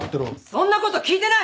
そんなこと聞いてない！